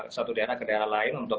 satu daerah ke daerah lain untuk